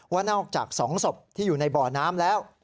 ว่านอกจาก๒ศพที่อยู่ในบ่อน้ำแล้ว